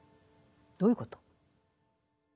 どういうこと？